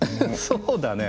そうだね。